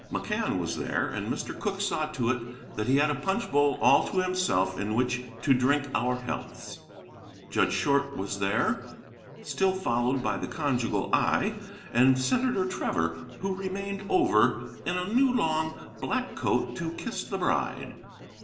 McCann was there, and Mr. Cooke saw to it that he had a punchbowl all to himself in which to drink our healths: Judge Short was there, still followed by the conjugal eye: and Senator Trevor, who remained over, in a new long black coat to kiss the bride.